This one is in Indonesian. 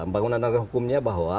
bangunan negara hukumnya bahwa